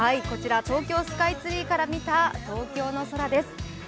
こちら東京スカイツリーから見た東京の空です。